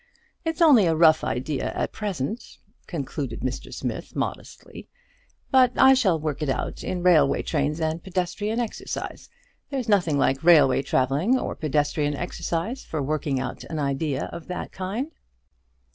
It's only a rough idea at present," concluded Mr. Smith, modestly; "but I shall work it out in railway trains and pedestrian exercise. There's nothing like railway travelling or pedestrian exercise for working out an idea of that kind."